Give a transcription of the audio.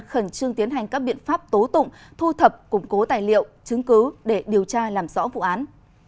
khẩn trương tiến hành các biện pháp tố tụng thu thập củng cố tài liệu chứng cứ để điều tra làm rõ vụ án